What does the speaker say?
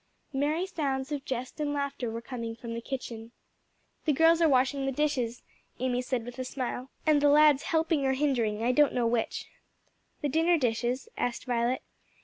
Merry sounds of jest and laughter were coming from the kitchen. "The girls are washing the dishes," Amy said with a smile, "and the lads helping or hindering, I don't know which." "The dinner dishes?" asked Violet.